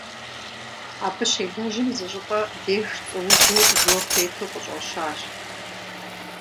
Абы щелэжьым зыщӏыпӏэ деж цӏуужу жор тету къыщӏэщащ.